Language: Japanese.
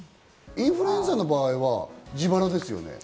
インフルエンザの場合は自腹ですよね。